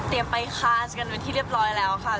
เตรียมไปคานส์กันวันที่เรียบร้อยแล้วค่ะ